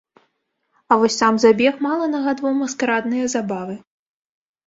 А вось сам забег мала нагадваў маскарадныя забавы.